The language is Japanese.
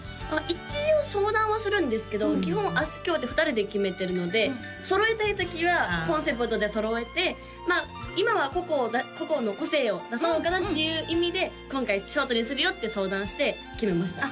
一応相談はするんですけど基本あすきょうって２人で決めてるので揃えたいときはコンセプトで揃えてまあ今は個々の個性を出そうかなっていう意味で今回ショートにするよって相談して決めました